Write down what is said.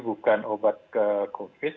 bukan obat covid sembilan belas